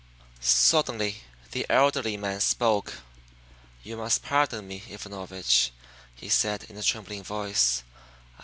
Suddenly the elderly man spoke. "You must pardon me, Ivanovich," he said in a trembling voice.